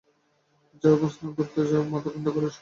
যাও, এখন স্নান করতে যাও, মাথা ঠাণ্ডা করে এসোগে।